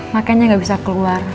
makanya gak bisa keluar